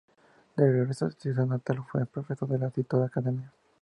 De regreso a su ciudad natal, fue profesor en la citada Academia.